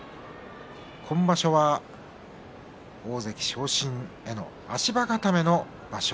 今場所は大関昇進への足場固めの場所。